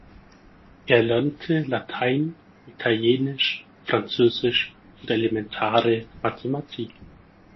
Er lernte Latein, Italienisch, Französisch und elementare Mathematik.